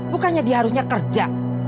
bukannya dia harusnya kerja